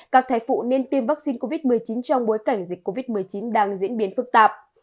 các thai phụ nên tiêm vaccine covid một mươi chín trong bối cảnh dịch covid một mươi chín đang diễn biến phức tạp